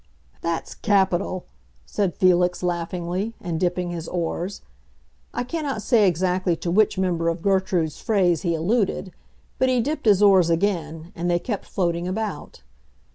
"That's capital!" said Felix laughingly, and dipping his oars. I cannot say exactly to which member of Gertrude's phrase he alluded; but he dipped his oars again, and they kept floating about.